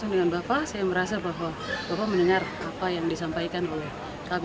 dan amanah dari masyarakat indonesia dilaksanakan